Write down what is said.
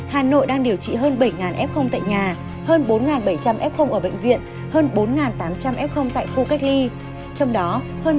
hà nội đang điều trị hơn bảy f tại nhà hơn bốn bảy trăm linh f ở bệnh viện hơn bốn tám trăm linh f tại khu cách ly